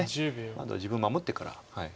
まずは自分を守ってから。